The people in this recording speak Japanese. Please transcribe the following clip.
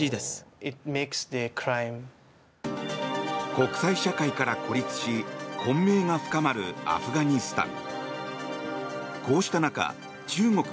国際社会から孤立し混迷が深まるアフガニスタン。